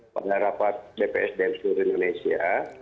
pada rapat dps damsur indonesia